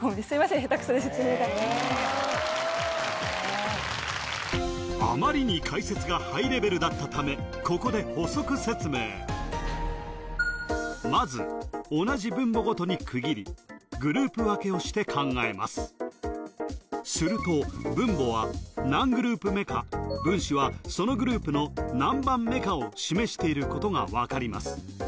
ヘタクソで説明があまりに解説がハイレベルだったためここで補足説明まず同じ分母ごとに区切りグループ分けをして考えますすると分母は何グループ目か分子はそのグループの何番目かを示していることがわかります